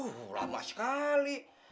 buh lama sekali